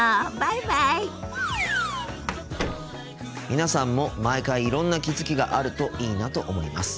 皆さんも毎回いろんな気付きがあるといいなと思います。